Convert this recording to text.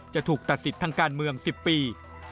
จะถูกตัดสิทธิ์ทางการเมือง๑๐ปี